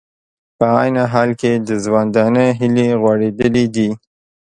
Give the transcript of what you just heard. په عین حال کې د ژوندانه هیلې غوړېدلې دي